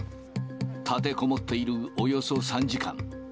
立てこもっているおよそ３時間。